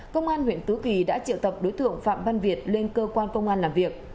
công an huyện tứ kỳ đã triệu tập đối tượng phạm văn việt lên cơ quan công an làm việc